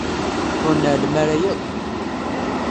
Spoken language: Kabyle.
Ur nɛellem ara yakk.